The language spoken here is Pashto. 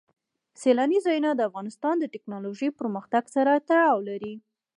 سیلانی ځایونه د افغانستان د تکنالوژۍ پرمختګ سره تړاو لري.